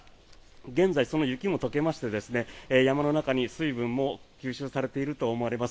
現在、その雪も解けまして山の中に水分も吸収されていると思われます。